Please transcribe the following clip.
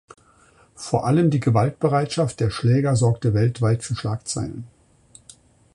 Vor allem die Gewaltbereitschaft der Schläger sorgte weltweit für Schlagzeilen.